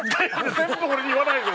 全部俺に言わないでください！